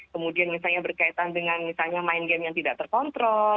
kemudian misalnya berkaitan dengan misalnya main game yang tidak terkontrol